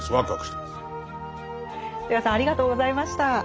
戸谷さんありがとうございました。